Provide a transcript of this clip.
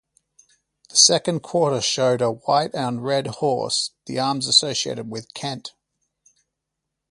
The second quarter showed a white on red horse, the arms associated with Kent.